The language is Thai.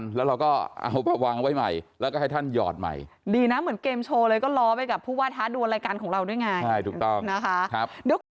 กล่องเต็มให้เราเก็บทุกวันนะครับ